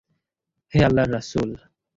হে আল্লাহর রাসূল!